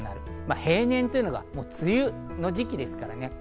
平年というのは梅雨の時期ですからね。